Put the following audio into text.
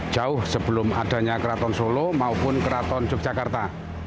jauh sebelum adanya keraton solo maupun keraton yogyakarta